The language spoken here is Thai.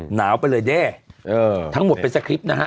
หนาวไปเลยเด้ทั้งหมดเป็นสคริปต์นะฮะ